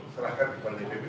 serahkan kepada dpr npb